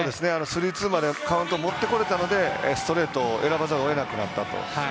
スリーツーまでカウント持ってこれたのでストレートを選ばざるを得なくなったと。